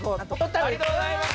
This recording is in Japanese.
ありがとうございます！